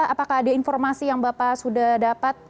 apakah ada informasi yang bapak sudah dapat